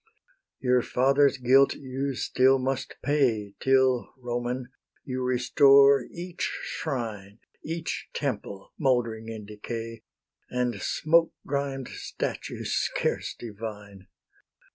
Your fathers' guilt you still must pay, Till, Roman, you restore each shrine, Each temple, mouldering in decay, And smoke grimed statue, scarce divine.